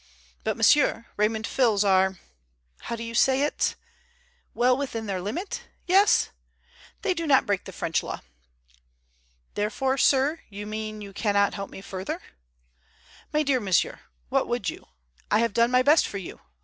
But, monsieur, Raymond Fils are—how do you say it?—well within their limit? Yes? They do not break the French law." "Therefore, sir, you mean you cannot help further?" "My dear monsieur, what would you? I have done my best for you.